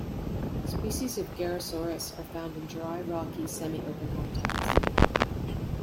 Species of "Gerrhosaurus" are found in dry, rocky semi-open habitats.